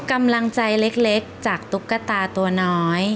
กำลังใจเล็กจากตุ๊กตาตัวน้อย